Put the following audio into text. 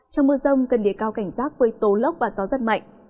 trong mưa rông cần để cao cảnh rác với tố lốc và gió rất mạnh